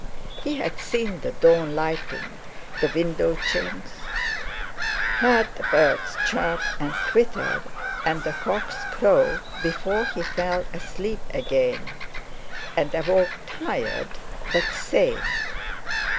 He had seen the dawn lighting the window chinks, heard the birds chirp and twitter, and the cocks crow, before he fell asleep again, and awoke tired but sane.